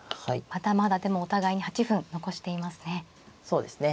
まだまだでもお互いに８分残していますね。